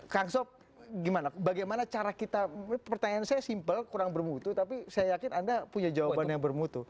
kang so bagaimana cara kita ini pertanyaan saya simpel kurang bermutu tapi saya yakin anda punya jawabannya bermutu